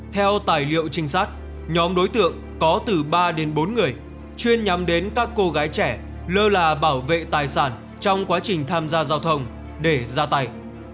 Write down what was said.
theo tài liệu trinh sát nhóm đối tượng có từ ba đến bốn người chuyên nhắm đến các cô gái trẻ lơ là bảo vệ tài sản trong quá trình tham gia giao thông để ra tay